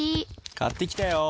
買ってきたよ。